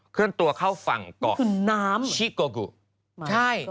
เคลื่อนตัวเข้าฝั่งกรอบชิโกโกใช่